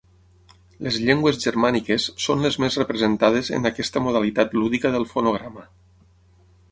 Les llengües germàniques són les més representades en aquesta modalitat lúdica del fonograma.